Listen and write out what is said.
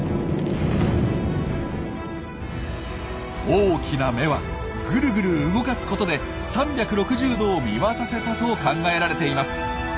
大きな目はグルグル動かすことで３６０度を見渡せたと考えられています。